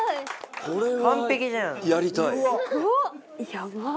やばっ！